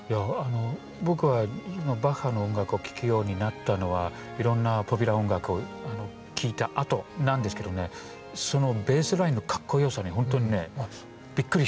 僕はバッハの音楽を聴くようになったのはいろんなポピュラー音楽を聴いたあとなんですけどねそのベースラインのかっこよさに本当にねびっくりして。